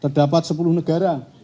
terdapat sepuluh negara